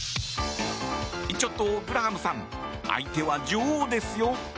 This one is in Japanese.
ちょっと、グラハムさん相手は女王ですよ！